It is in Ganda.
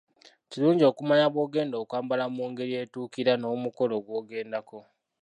Kirungi okumanya bw'ogenda okwambala mu ngeri etuukira n'omukolo gw'ogendako.